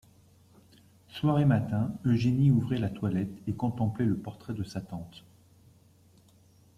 Soir et matin Eugénie ouvrait la toilette et contemplait le portrait de sa tante.